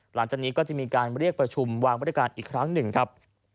หลังจากนี้ก็จะมีการเรียกประชุมวางบริการอีกครั้งหนึ่งครับ